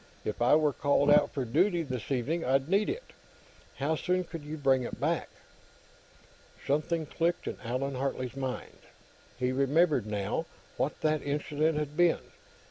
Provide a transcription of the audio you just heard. If I were called out for duty, this evening, I'd need it. How soon could you bring it back?" Something clicked in Allan Hartley's mind. He remembered, now, what that incident had been.